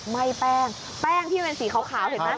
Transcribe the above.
ไหม้แป้งแป้งที่เป็นสีขาวเห็นไหม